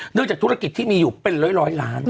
จากธุรกิจที่มีอยู่เป็นร้อยล้าน